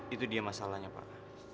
itu dia masalahnya pak